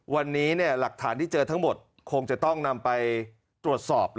วันนี้หลักฐานที่เจอทั้งหมดคงจะต้องนำไปตรวจสอบ